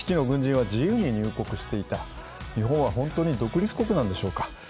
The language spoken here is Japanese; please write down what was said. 自由に入国していた、日本は本当に独立国なんでしょうか。